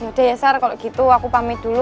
yaudah ya sarah kalau gitu aku pamit dulu